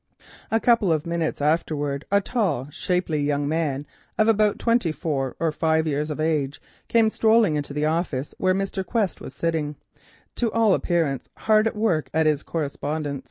A couple of minutes afterwards a tall, shapely young man, of about twenty four or five years of age, came strolling into the office where Mr. Quest was sitting, to all appearance hard at work at his correspondence.